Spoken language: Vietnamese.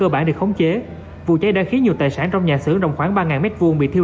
cơ bản được khống chế vụ cháy đã khiến nhiều tài sản trong nhà xưởng rộng khoảng ba m hai bị thiêu